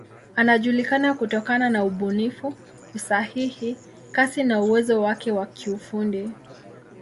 Anajulikana kutokana na ubunifu, usahihi, kasi na uwezo wake wa kiufundi.